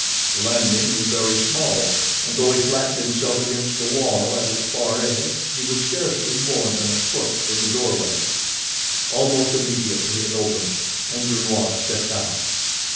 The landing was very small, and though he flattened himself against the wall at its far edge he was scarcely more than a foot from the doorway. Almost immediately it opened, and Gernois stepped out.